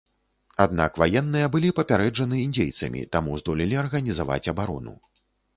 Аднак ваенныя былі папярэджаны індзейцамі, таму здолелі арганізаваць абарону.